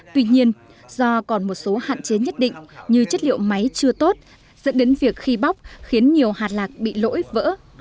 tuy nhiên do còn một số hạn chế nhất định như chất liệu máy chưa tốt dẫn đến việc khi bóc khiến nhiều hạt lạc bị lỗi vỡ